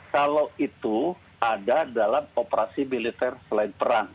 kalau itu ada dalam operasi militer selain perang